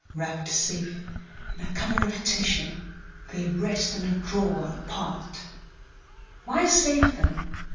Wrapped safe in a cover of tissue, they rest in a drawer apart; Why save them?